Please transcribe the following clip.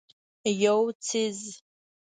یو څیز